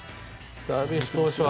ダルビッシュ投手は。